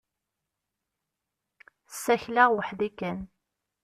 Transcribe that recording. Ssakleɣ weḥd-i kan.